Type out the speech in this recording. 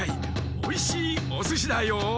おいしいおすしだよ。